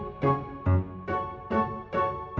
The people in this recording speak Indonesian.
saat aja bro seekor di luar kita bisa hubungi bapak dan wabah